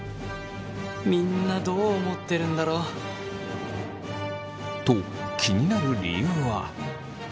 みんなどう思ってるんだろう？と気になる理由は。